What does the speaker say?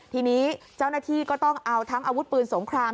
ทีนี้เจ้าหน้าที่ก็ต้องเอาทั้งอาวุธปืนสงคราม